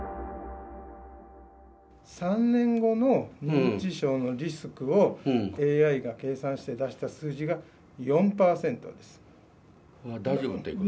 ３年後の認知症のリスクをＡＩが計算して出した数字が４％で大丈夫ということ？